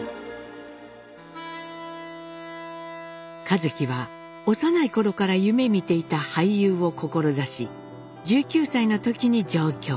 一輝は幼い頃から夢みていた俳優を志し１９歳の時に上京。